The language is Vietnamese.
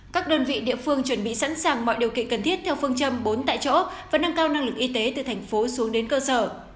các đơn vị địa phương chuẩn bị sẵn sàng mọi điều kiện cần thiết theo phương châm bốn tại chỗ và nâng cao năng lực y tế từ thành phố xuống đến cơ sở